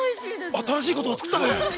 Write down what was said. ◆新しい言葉作ったね。